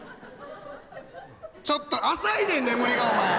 ちょっと浅いねん眠りがお前！